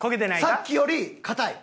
さっきより硬い。